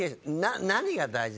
何が大事？